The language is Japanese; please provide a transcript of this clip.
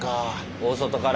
大外から？